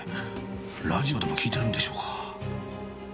ラジオでも聴いてるんでしょうか。